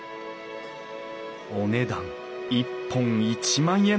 お値段一本１万円。